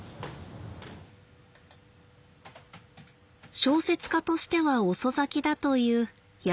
小説家としては遅咲きだという山口さん。